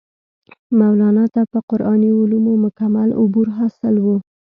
مولانا ته پۀ قرآني علومو مکمل عبور حاصل وو